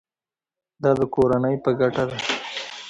دا د کورنۍ په ګټه ده.